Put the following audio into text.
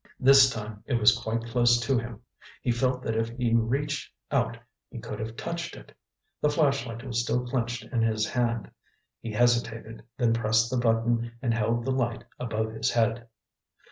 This time it was quite close to him. He felt that if he reached out he could have touched it. The flashlight was still clenched in his hand. He hesitated, then pressed the button and held the light above his head.